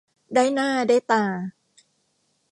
ได้หน้าได้ตา